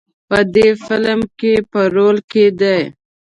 په دې فیلم کې په رول کې دی.